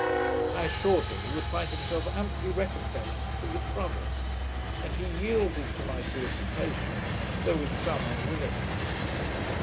I assured him, he would find himself amply recompensed for the trouble; and he yielded to my solicitations, though with some unwillingness.